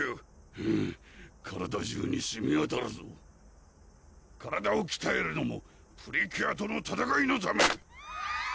フゥ体中にしみわたるぞ体をきたえるのもプリキュアとの戦いのため！